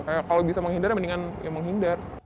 kayak kalau bisa menghindar ya mendingan ya menghindar